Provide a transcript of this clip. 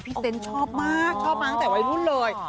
เซนต์ชอบมากชอบมาตั้งแต่วัยรุ่นเลย